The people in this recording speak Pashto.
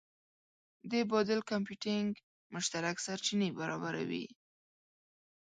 د بادل کمپیوټینګ مشترک سرچینې برابروي.